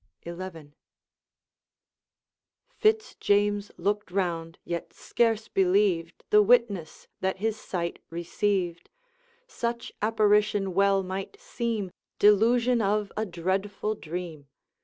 XI. Fitz James looked round, yet scarce believed The witness that his sight received; Such apparition well might seem Delusion of a dreadful dream.